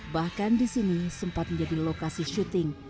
bahkan di sini sempat menjadi lokasi syuting